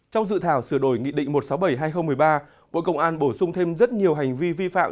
trong dự thảo sửa đổi nghị định một trăm sáu mươi bảy hai nghìn một mươi ba bộ công an bổ sung thêm rất nhiều hành vi vi phạm